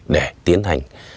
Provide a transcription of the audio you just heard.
để tiến hành